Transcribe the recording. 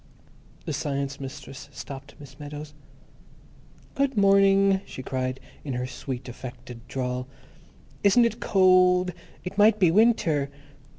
The Science Mistress stopped Miss Meadows. "Good mor ning," she cried, in her sweet, affected drawl. "Isn't it cold? It might be win ter."